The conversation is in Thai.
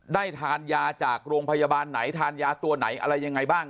ได้ทานยาจากโรงพยาบาลไหนทานยาตัวไหนอะไรยังไงบ้าง